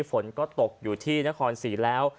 ผนก็ตกอยู่ที่นะคอนสี่แล้ว